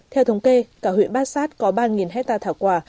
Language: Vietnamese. theo thống kê cả huyện bát sát có ba hectare thảo quả